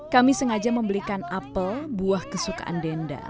kami sengaja membelikan apel buah kesukaan denda